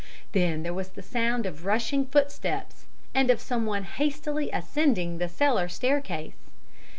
Then there was the sound of rushing footsteps and of someone hastily ascending the cellar staircase.